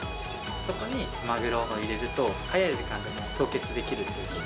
そこにマグロを入れると、早い時間で凍結できるっていう機械